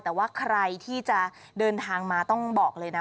แต่ว่าใครที่จะเดินทางมาต้องบอกเลยนะ